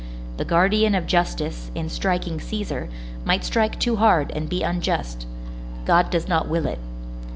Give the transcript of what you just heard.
The guardian of justice, in striking Cæsar, might strike too hard and be unjust. God does not will it.